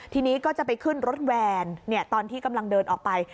ทีนี้ก็จะไปขึ้นรถแวนตอนที่กำลังเดินออกไป